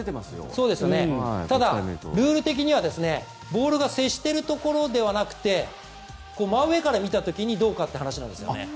ただ、ルール的にはボールが接しているところではなく真上から見た時にどうかっていう話なんです。